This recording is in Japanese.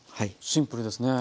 シンプルですね。